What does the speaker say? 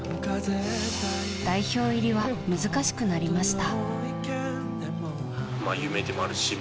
代表入りは難しくなりました。